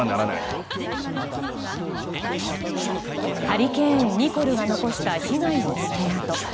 ハリケーンニコルが残した被害の爪痕。